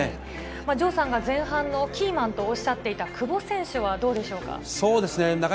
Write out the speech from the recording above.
城さんが前半のキーマンとおっしゃっていた久保選手はどうでしょうか。